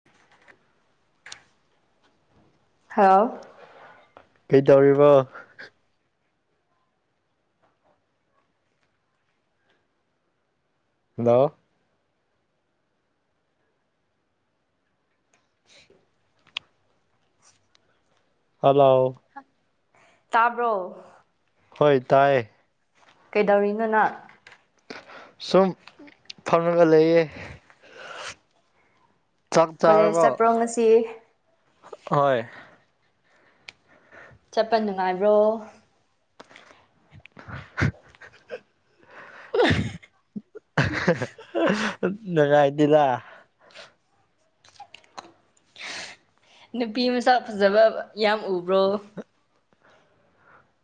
[unintelligible] [unintelligible] ꯍꯥꯎ ꯀꯩꯗꯧꯔꯤꯕꯣ ꯍꯜꯣ ꯍ ꯍꯜꯂꯣ ꯇꯥꯕ꯭ꯔꯣ ꯍꯣꯏ ꯇꯥꯏ ꯀꯩꯗꯧꯔꯤꯅꯣ ꯅꯪ ꯁꯨꯝ ꯐꯝꯅꯒ ꯂꯩꯌꯦ ꯆꯥꯛ ꯀꯣꯂꯦꯖ ꯆꯥꯔꯕꯣ ꯆꯠꯄ꯭ꯔꯣ ꯉꯁꯤ ꯍꯣꯏ ꯆꯠꯄ ꯅꯨꯡꯉꯥꯏꯕ꯭ꯔꯣ [unintelligible] [unintelligible] ꯑ ꯅꯉꯗꯂ ꯅꯨꯄꯤ ꯃꯆꯥ ꯐꯖꯕ ꯌꯥꯝ ꯎꯕ꯭ꯔꯣ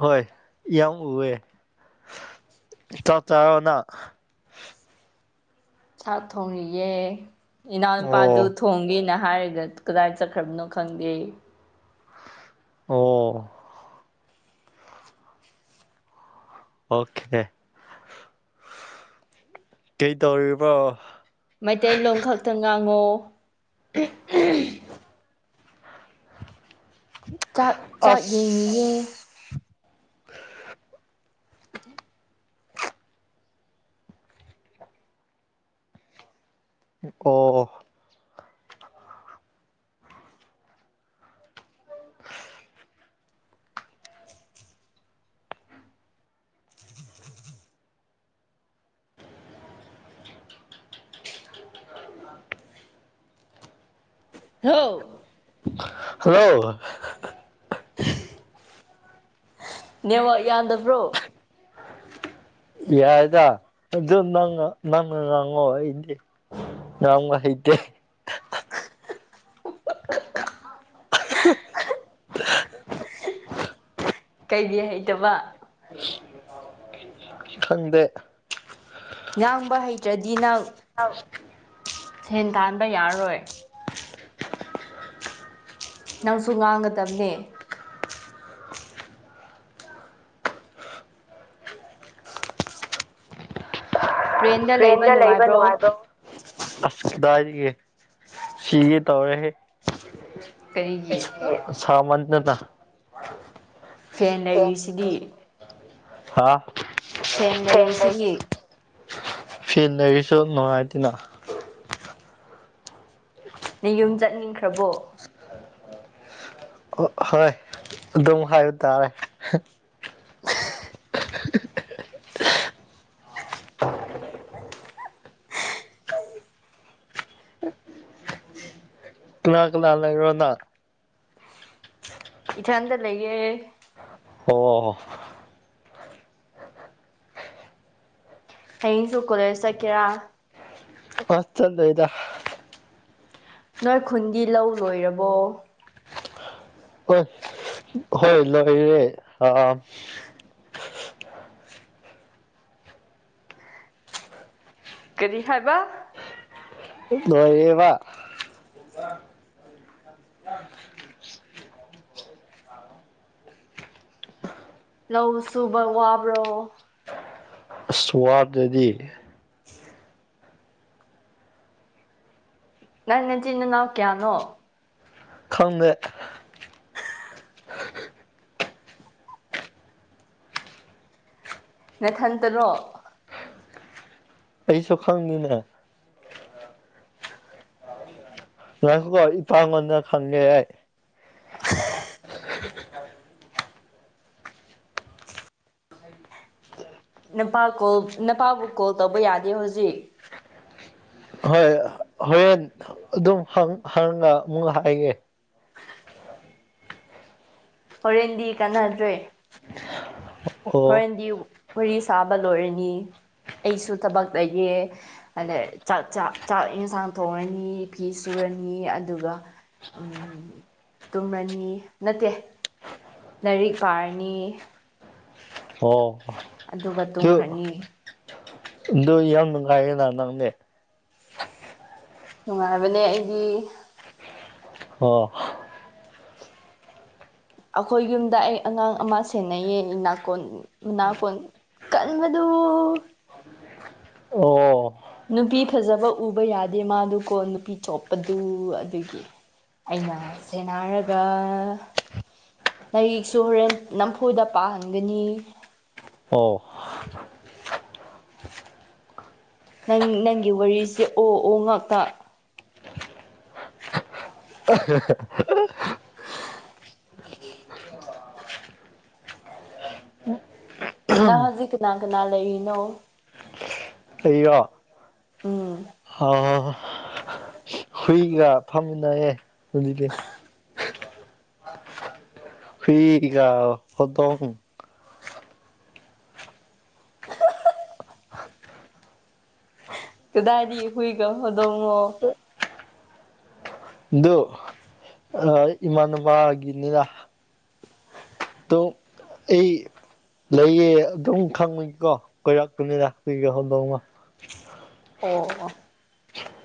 ꯍꯣꯏ ꯌꯥꯝ ꯎꯑꯦ ꯆ ꯆꯣꯅ ꯆꯥꯛ ꯊꯣꯡꯂꯤꯌꯦꯦ ꯏꯅꯥꯎꯅꯨꯄꯥꯗꯨ ꯑꯣ ꯊꯣꯡꯉꯅ ꯍꯥꯏꯔꯒ ꯀꯗꯥꯏ ꯆꯠꯈ꯭ꯔꯕꯅꯣ ꯈꯪꯗꯦ ꯑꯣ ꯑꯣꯀꯦꯅꯦ ꯀꯩ ꯇꯧꯔꯤꯕꯣ ꯃꯩꯇꯩꯂꯣꯟ ꯈꯛꯇꯪ ꯉꯥꯡꯉꯣ ꯆꯥꯛ ꯆꯥꯛ ꯌꯦꯡꯉꯤꯌꯦ ꯑꯁ ꯑꯣ [unintelligible] ꯍ ꯍꯜꯂꯣ ꯅꯃ ꯌꯥꯗꯕ꯭ꯔꯣ ꯌꯥꯗ ꯑꯗꯨ ꯅꯪ ꯅꯪ ꯅꯉꯣ ꯏꯗꯤꯦ ꯉꯒ ꯏꯗꯤ [unintelligible] [unintelligible] ꯀꯩꯗꯤ ꯍꯩꯇꯕ ꯈꯪꯗꯦ ꯉꯥꯡꯕ ꯍꯩꯇ꯭ꯔꯗꯤ ꯅꯪ ꯍꯥꯎ ꯁꯦꯟ ꯇꯥꯟꯕ ꯌꯥꯔꯔꯣꯏ ꯅꯪꯁꯨ ꯉꯥꯡꯒꯗꯕꯅꯦ [inaudible] ꯇ꯭ꯔꯦꯟꯗ ꯂꯩꯕ ꯅꯨꯡꯉꯥꯏꯕꯣ ꯑꯁꯗꯥꯒꯦ ꯁꯤꯒꯦ ꯇꯧꯔꯦꯍꯦ ꯀꯔꯤꯒꯤ ꯁ ꯃꯊ ꯅꯠꯇ ꯍꯦ ꯂꯩꯔꯤꯁꯤꯗꯤ ꯍꯥꯥ ꯐꯦꯟ ꯂꯩꯔꯤꯁꯤ ꯌꯦ ꯐꯤ ꯂꯩꯔꯤꯁꯨ ꯅꯨꯡꯉꯥꯏꯇꯅ ꯅ ꯌꯨꯝ ꯆꯠꯅꯤꯡꯈ꯭ꯔꯕꯣ ꯍꯣꯏ ꯑꯗꯨꯝ ꯍꯥꯏꯕ ꯇꯥꯔꯦ ꯀꯅꯥꯥꯛ ꯀꯅꯥꯥ ꯂꯩꯔꯣꯅꯥ ꯏꯇꯑꯗ ꯂꯩꯌꯦꯦ ꯑꯣ ꯍꯣ ꯍꯌꯦꯡꯁꯨ ꯀꯣꯂꯦꯖ ꯆꯠꯀꯦꯔꯥ ꯍꯁ ꯆꯠꯗꯗ ꯅꯣꯏ ꯈꯨꯟꯗꯤ ꯂꯧ ꯂꯣꯏꯔꯕꯣ ꯍꯣꯏ ꯍꯣꯏ ꯂꯣꯏꯔꯦ ꯑ [inaudible] ꯀꯔꯤ ꯍꯥꯏꯕ ꯅꯔꯤꯕ ꯂꯧ ꯁꯨꯕ ꯋꯥꯕ꯭ꯔꯣ ꯑꯁꯋꯥꯗꯗꯤ ꯅ ꯉ ꯆꯤꯅ ꯅꯧꯀꯦꯅꯣ ꯈꯪꯅ ꯅꯊꯟꯇꯔꯣ ꯑꯩꯁꯨ ꯈꯪꯉꯤꯅꯦ ꯉꯪꯈꯣ ꯏ ꯄꯥꯡꯣꯟꯗ ꯈꯪꯒꯦꯏ [inaudible] ꯅꯄꯥ ꯀꯣꯜ ꯅꯄꯥꯕꯨ ꯀꯣꯜ ꯇꯧꯕ ꯌꯥꯗꯦ ꯍꯧꯖꯤꯛ ꯍꯣꯏ ꯍꯣꯔꯦꯟ ꯑꯗꯨꯝ ꯍꯪꯒ ꯑꯃꯨꯛ ꯍꯥꯏꯒꯦ ꯍꯣꯔꯦꯟꯗꯤ ꯀꯥꯟꯅꯗ꯭ꯔꯦ [unintelligible] ꯍꯣꯔꯦꯟꯗꯤ ꯋꯥꯔꯤ ꯁꯥꯕ ꯂꯣꯏꯔꯅꯤ ꯑꯩꯁꯨ ꯊꯕꯛꯛꯇꯌꯦ ꯑꯗ ꯆꯥꯛ ꯆꯥꯛ ꯆꯥꯛ ꯌꯦꯟꯁꯥꯡ ꯊꯣꯡꯉꯅꯤ ꯐꯤ ꯁꯨꯔ ꯅꯤ ꯑꯗꯨꯒ ꯇꯨꯝꯔꯅꯤ ꯅꯠꯇꯦ ꯂꯥꯏꯔꯤꯛ ꯄꯥꯔꯅꯤ ꯑꯣ ꯑꯗꯨꯒ ꯇꯨꯝꯈ꯭ꯔꯅꯤ ꯗꯣ ꯏ ꯑꯗꯨꯅꯨꯡ ꯀꯥꯏꯒꯗ ꯅꯪꯗꯦ ꯅꯨꯡꯉꯥꯏꯔꯕꯅꯦ ꯑꯩꯗꯤ ꯑꯣ ꯑꯩꯈꯣꯏ ꯌꯨꯝꯗ ꯑꯩ ꯑꯉꯥꯡ ꯑꯃ ꯁꯦꯟꯅꯩꯌꯦ ꯅꯥꯀꯣꯟ ꯅꯥꯀꯣꯟ ꯀꯟꯕꯗꯨ ꯑꯃꯦ ꯅꯨꯄꯤ ꯐꯖꯕ ꯎꯕ ꯌꯥꯗꯦ ꯃꯥꯗꯨꯀꯣ ꯅꯨꯄꯤ ꯆꯣꯞꯄꯗꯨ ꯑꯗꯨꯒꯤ ꯑꯩꯅ ꯁꯦꯟꯅꯔꯒ ꯅꯔꯤꯛꯁꯨ ꯍꯣꯔꯦꯟ ꯅꯝꯐꯨꯗ ꯄꯥꯍꯟꯒꯅꯤ ꯑꯣ ꯅꯪ ꯅꯪꯒꯤ ꯋꯥꯔꯤꯁꯦ ꯑꯣ ꯑꯣ ꯉꯥꯛꯇ [unintelligible] ꯅ ꯍꯧꯖꯤꯛ ꯀꯅꯥ ꯀꯅꯥ ꯂꯩꯅꯣ ꯑꯩꯔꯣ ꯎꯝ ꯑ ꯍꯨꯏꯒ ꯐꯝꯃꯤꯅꯩꯍꯦ ꯍꯧꯖꯤꯗꯤ ꯐꯤꯀ ꯑꯣꯗꯣ ꯀꯗꯥꯏꯗꯤ ꯍꯨꯏꯒꯗꯉꯣ ꯑꯗꯨ ꯑ ꯏꯃꯥꯟꯅꯕꯒꯤꯅꯤꯗ [inaudible] ꯑꯩ ꯂꯩꯌꯦ ꯑꯗꯨꯝ ꯈꯪꯕꯅꯤꯀꯣ ꯀꯣꯏꯔꯄꯅꯤꯅꯥꯛ ꯀꯒꯦ ꯍꯧꯗꯧꯅ ꯑꯣ ꯑꯣ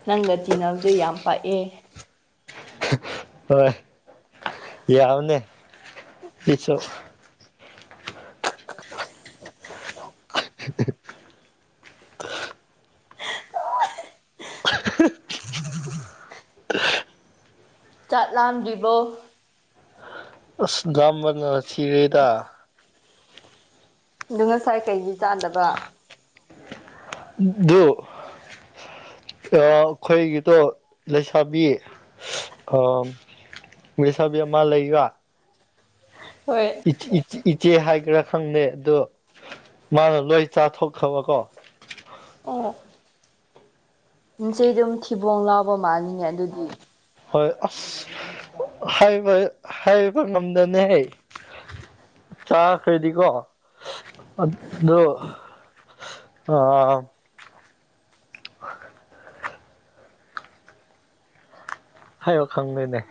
ꯅꯪꯒ ꯇꯤꯟꯅꯜꯗꯨ ꯌꯥꯝ ꯄꯥꯛꯑꯦ ꯍꯣꯏ ꯌꯥ ꯌꯥꯎꯅꯦ ꯄꯁꯨꯣ ꯆꯠꯂꯝꯥꯝꯗ꯭ꯔꯤꯕꯣ ꯑꯁ ꯝꯕꯅ ꯊꯤꯔꯦꯗ ꯑ ꯉꯁꯥꯏ ꯀꯩꯒꯤ ꯆꯥꯗꯕ ꯑꯗꯨ ꯑꯩꯈꯣꯏꯒꯤꯗꯣ ꯂꯩꯁꯥꯕꯤ ꯃꯁꯥꯕꯤ ꯑꯃ ꯂꯩꯒ ꯍꯣꯏ ꯏ ꯏ ꯏꯆꯦ ꯍꯥꯏꯒ꯭ꯔ ꯈꯪꯗꯦ ꯑꯗꯣ ꯃꯥꯅ ꯂꯣꯏ ꯆꯥꯊꯣꯛꯈ꯭ꯔꯕꯀꯣ ꯏꯟꯆꯦ ꯑꯗꯨꯝ ꯊꯤꯕꯣꯡ ꯂꯥꯎꯕ ꯃꯥꯜꯂꯤꯉ ꯑꯗꯨꯗꯤ ꯍꯣꯏ ꯑꯁ ꯍꯥꯏꯕ ꯍꯥꯏꯕ ꯉꯝꯗꯅꯦꯍꯦ ꯆꯥꯈ꯭ꯔꯩꯗꯤꯀꯣ ꯑ ꯑꯥ ꯍꯥꯏꯌꯣ ꯈꯪꯗꯣꯏꯅꯦ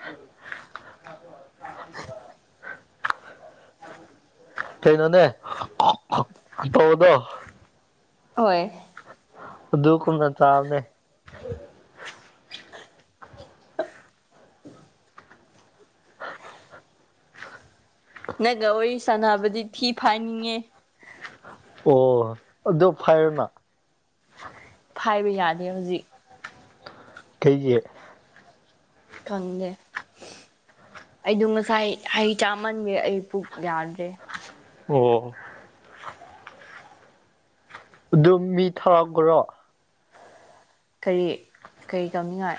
ꯀꯩꯅꯣꯅꯦ ꯇꯧꯕꯗꯣ ꯍꯣꯏ ꯗ ꯀꯅ ꯇꯥꯔꯅꯦ ꯅꯪꯒ ꯋꯥꯔꯤ ꯁꯥꯟꯅꯕꯗꯤ ꯊꯤ ꯐꯥꯏꯅꯤꯡꯉꯦ ꯑꯣ ꯑꯗꯨꯣ ꯐꯥꯏꯔꯅ ꯍꯥꯏꯕ ꯌꯥꯗꯦ ꯍꯧꯖꯤꯛ ꯀꯩꯒꯤ ꯈꯪꯗꯦ ꯑꯩꯗ ꯉꯁꯥꯏ ꯍꯩ ꯆꯥꯃꯟꯒꯦ ꯑꯩ ꯄꯨꯛ ꯌꯥꯗ꯭ꯔꯦ ꯑꯣꯝ ꯑꯗꯨꯝ ꯃꯤ ꯊꯥꯔꯈ꯭ꯔꯣ ꯀꯔꯤ ꯀꯔꯤ ꯀꯧꯅꯤꯡꯉꯥꯏ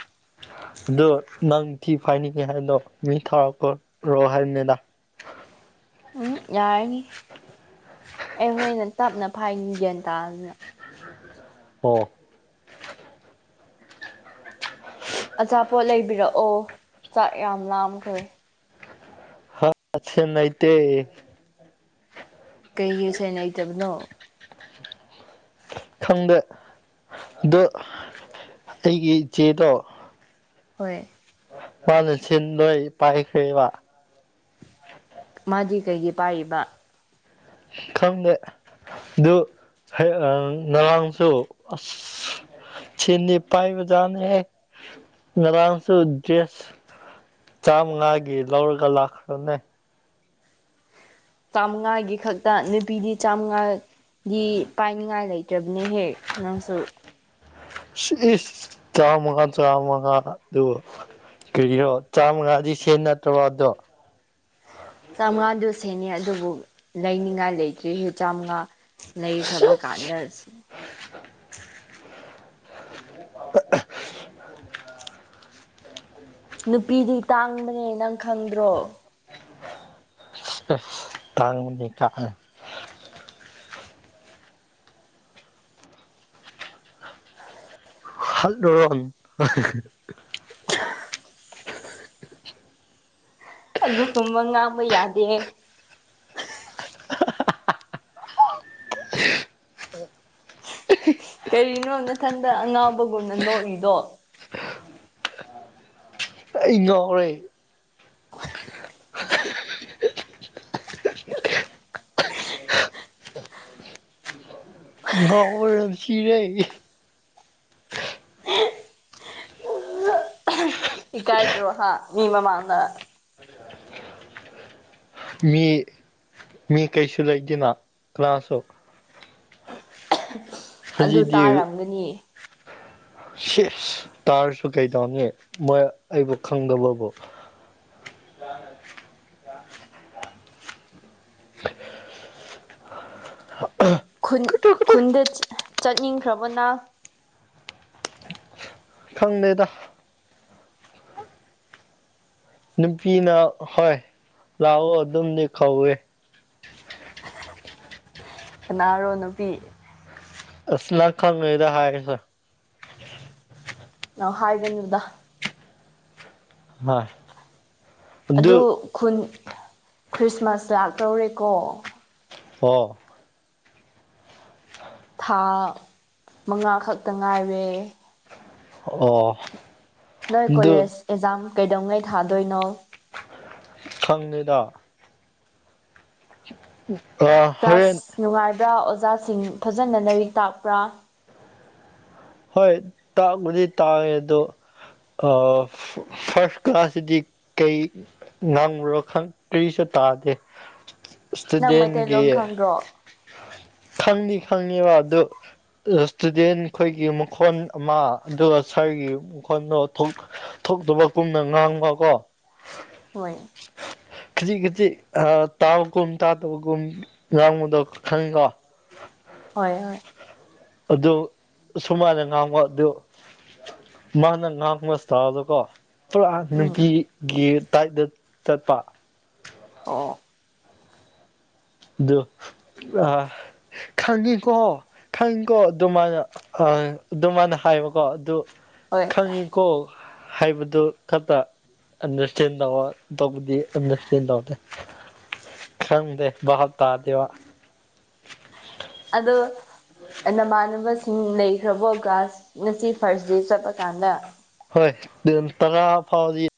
ꯑꯗ ꯅꯪ ꯊꯤ ꯐꯥꯏꯅꯤꯡꯉꯦ ꯍꯥꯏꯗꯣ ꯃꯤ ꯊꯥꯔꯛꯄꯔꯣ ꯍꯥꯏꯕꯅꯤꯗꯥ [inaudible] ꯎꯝ ꯌꯥꯔꯅꯤ ꯑꯩ ꯍꯣꯔꯦꯟꯩꯅ ꯇꯞꯅ ꯐꯥꯏꯅꯤ ꯒ꯭ꯌꯥꯟ ꯇꯥꯗꯅ ꯑꯣ ꯑꯆꯥꯄꯣꯠ ꯂꯩꯕꯤꯔꯛꯑꯣ ꯆꯥꯛ ꯌꯥꯝ ꯂꯥꯝꯈ꯭ꯔꯦ ꯍꯥ ꯁꯦꯟ ꯅꯥꯏꯇ ꯀꯩꯒꯤ ꯁꯦꯅ ꯍꯩꯇꯕꯅꯣ ꯈꯪꯗꯦ ꯑꯗꯣ ꯑꯩꯒꯤ ꯏꯆꯦꯗꯣ ꯍꯣꯏ ꯋꯥꯜ ꯆ ꯂꯣꯏ ꯄꯥꯏꯈꯕ ꯃꯥꯗꯤ ꯀꯩꯒꯤ ꯄꯥꯏꯔꯤꯕ ꯈꯪꯗꯦ ꯑꯗꯨ ꯍ ꯅꯔꯥꯡꯁꯨ ꯑꯁ ꯁꯤꯅꯤ ꯄꯥꯏꯕ ꯆꯅꯤ ꯃ ꯂꯁꯨ ꯗꯦꯁ ꯆꯥꯝꯃ ꯉꯥꯒꯤ ꯂꯧꯔꯒ ꯂꯥꯛꯈ꯭ꯔꯣꯅꯦ ꯆꯥꯃꯉꯥꯒꯤ ꯈꯛꯇ ꯅꯨꯄꯤꯗꯤ ꯆꯥꯃꯉꯥꯗꯤ ꯄꯥꯏꯅꯤꯉꯥꯏ ꯂꯩꯇꯦ ꯇꯕꯅꯤꯍꯦ ꯅꯪꯁꯨ ꯆꯥꯎꯥꯃꯒ ꯆꯥꯃꯉ ꯑꯗꯨ ꯀꯔꯤꯔꯣ ꯆꯥꯝꯃꯉꯥꯗꯤ ꯁꯦꯟ ꯅꯠꯇ꯭ꯔꯕꯣ ꯑꯗꯣ ꯆꯥꯝꯃꯉꯥꯗꯨ ꯁꯦꯅꯤ ꯑꯗꯨꯕꯨ ꯂꯩꯅꯤꯡꯉꯥꯏ ꯂꯩꯇ꯭ꯔꯤ ꯍꯦ ꯆꯥꯝꯃꯉꯥ ꯂꯩꯈ꯭ꯔꯕ ꯀꯥꯟꯗꯁꯤ ꯑ ꯅꯨꯄꯤꯗꯤ ꯇꯥꯡꯕꯅꯦ ꯅꯪ ꯈꯪꯗ꯭ꯔꯣ ꯇꯥꯡꯅꯤꯀꯥ ꯍꯜꯗꯣꯔꯣꯟ ꯑꯗꯨꯒꯨꯝꯕ ꯉꯥꯡꯕ ꯌꯥꯗꯦ ꯀꯔꯤꯅꯣ ꯃꯊꯟꯗ ꯑꯉꯥꯎꯕꯒꯨꯝꯅ ꯅꯣꯛꯏꯗꯣ ꯏ ꯉꯥꯎꯔꯦ ꯉꯔꯝ ꯁꯤꯔꯦ ꯏ ꯀꯥꯏꯇ ꯔꯣꯍꯥ ꯃꯤꯕ ꯃꯥꯥꯡꯅ ꯃꯤ ꯃꯤ ꯀꯩꯁꯨ ꯂꯩꯒꯦꯅ ꯀꯅꯥꯁꯨ ꯑꯗꯨ ꯇꯥꯔꯝꯒꯅꯤ ꯁꯤꯁ ꯇꯥꯔꯁꯨ ꯀꯩꯗꯧꯅꯤ ꯃꯣꯏ ꯑꯩꯕꯨ ꯈꯪꯗꯕꯕꯨ ꯂꯅ [inaudible] ꯈꯨꯟ ꯈꯨꯟꯗ ꯆꯠꯅꯤꯡꯈ꯭ꯔꯕꯅ ꯈꯪꯗꯦꯗ ꯅꯨꯄꯤꯅ ꯍꯣꯏ ꯂꯥꯛꯑꯣ ꯑꯗꯨꯝꯅꯤ ꯀꯧꯋꯦ ꯀꯅꯥꯔꯣ ꯅꯨꯄꯤ ꯑꯁꯂ ꯈꯪꯉꯗ ꯍꯥꯏ ꯅ ꯍꯥꯏꯒꯅꯤꯔꯗ ꯍꯣꯏ ꯑꯗꯨ ꯈꯨꯟ ꯈ꯭ꯔꯤꯁꯃꯥꯁꯇꯥꯛ ꯂꯧꯧꯔꯦꯀꯣ ꯑꯣ ꯊꯥ ꯃꯉꯥ ꯈꯛꯇ ꯉꯥꯏꯔꯦ ꯑꯣ ꯅꯣꯏ ꯑꯗꯨ ꯀꯣꯂꯦꯖ ꯑꯦꯛꯖꯥꯝ ꯀꯩꯗꯧꯉꯩ ꯊꯥꯗꯣꯏꯅꯣ ꯈꯪꯉꯗ ꯑꯥ ꯀ꯭ꯂꯥꯁ ꯍꯣꯔꯦꯟ ꯅꯨꯡꯉꯥꯏꯕ꯭ꯔꯥ ꯑꯣꯖꯥꯁꯤꯡ ꯐꯖꯅ ꯂꯥꯏꯔꯤꯛ ꯇꯥꯛꯄ꯭ꯔꯥ ꯍꯣꯏ ꯇꯥꯛꯕꯨꯗꯤ ꯇꯥꯛꯑꯦ ꯑꯗꯣ ꯐꯥꯔꯁ ꯀ꯭ꯂꯥꯁꯁꯤꯗꯤ ꯀꯩ ꯉꯥꯡꯉꯨꯔꯣ ꯈꯪ ꯀ꯭ꯔꯤ ꯆꯠ ꯇꯥꯗꯦ ꯅꯪ ꯎꯗꯦꯟꯒꯤ ꯃꯩꯇꯩꯂꯣꯟ ꯈꯪꯗ꯭ꯔꯣ ꯈꯪꯅꯤ ꯈꯪꯉꯕ ꯑꯗꯨ ꯏꯁꯇꯨꯗꯦꯟ ꯈꯣꯏ ꯒꯤ ꯃꯈꯣꯟ ꯑꯃ ꯑꯗꯨꯒ ꯁ꯭ꯋꯥꯏꯒꯤ ꯃꯈꯣꯟꯗꯣ ꯊꯣꯛꯇꯕ ꯀꯨꯝꯅ ꯉꯥꯡꯕꯀꯣ ꯍꯣꯏ ꯈꯖꯤꯛ ꯈꯖꯤꯛ ꯇꯥꯎꯕꯒꯨꯝ ꯇꯥꯗꯕꯒꯨꯝ ꯉꯥꯡꯕꯗꯣ ꯈꯪꯉꯤꯀꯣ ꯍꯣꯏ ꯍꯣꯏ ꯑꯗꯣ ꯁꯨꯃꯥꯏꯅ ꯉꯥꯡꯕ ꯑꯗꯨ ꯃꯥꯅ ꯉꯥꯡꯕ꯭ꯔꯁ ꯇꯥꯔꯗꯀꯣ ꯄꯨꯔꯥ ꯎꯝ ꯅꯨꯡꯇꯤꯒꯤ ꯇꯗꯥꯥꯏꯗ ꯆꯠꯄ ꯑ ꯑꯗꯨ ꯑ ꯈꯪꯉꯤꯀꯣ ꯈꯪꯉꯤꯀꯣ ꯑꯗꯨ ꯃꯥꯥꯏꯅ ꯑꯗꯨ ꯃꯥꯅ ꯍꯥꯏꯕꯀꯣ ꯑꯗꯨ ꯍꯣꯏ ꯈꯪꯉꯤꯀꯣ ꯍꯥꯏꯕꯗꯨ ꯈꯛꯇ ꯑꯟꯗꯔꯁꯇꯦꯟ ꯇꯧꯕ ꯇꯧꯕꯗꯤ ꯑꯟꯗꯔꯁꯇꯦꯟ ꯇꯧꯗꯦ ꯈꯪꯗꯦ ꯕꯥ ꯍꯞꯇꯥꯗꯋꯥ ꯑꯗꯣ ꯅꯅꯕꯁ ꯁꯤꯡ ꯂꯩꯈ꯭ꯔꯕ ꯒꯥꯁ ꯉꯁꯤ ꯐꯥꯔꯁ ꯗꯦ ꯆꯠꯂꯀꯥꯟꯗ ꯍꯣꯏ ꯑꯗꯨ ꯇꯔꯥ ꯐꯥꯎꯗꯤ